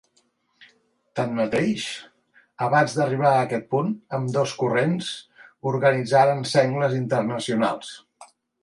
Tanmateix, abans d'arribar a aquest punt, ambdós corrents organitzaren sengles internacionals.